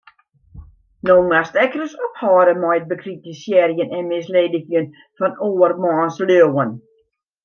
No moatst ek ris ophâlde mei it bekritisearjen en misledigjen fan oarmans leauwen.